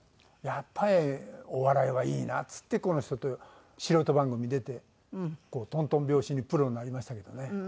「やっぱりお笑いはいいな」っつってこの人と素人番組出てとんとん拍子にプロになりましたけどね。